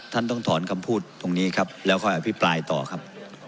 ท่านต้องถอนคำพูดตรงนี้ครับแล้วค่อยอภิปรายต่อครับ